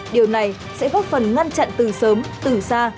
điều này sẽ góp phần ngăn chặn từ sớm từ xa